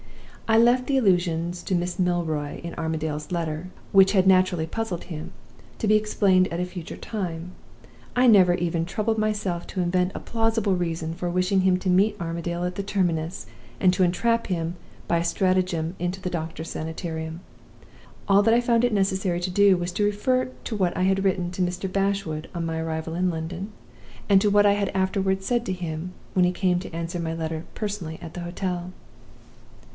I left the allusions to Miss Milroy in Armadale's letter, which had naturally puzzled him, to be explained at a future time. I never even troubled myself to invent a plausible reason for wishing him to meet Armadale at the terminus, and to entrap him by a stratagem into the doctor's Sanitarium. All that I found it necessary to do was to refer to what I had written to Mr. Bashwood, on my arrival in London, and to what I had afterward said to him, when he came to answer my letter personally at the hotel.